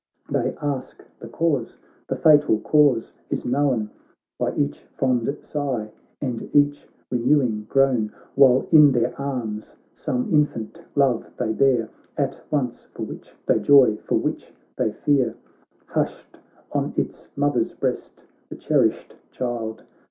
They ask the cause, the fatal cause is known By each fond sigh and each renewing groan, While in their arms some infant love they bear At once for which they joy, for which they fear. Hushed on its mother's breast, the cherished child